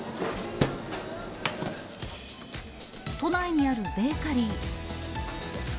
都内にあるベーカリー。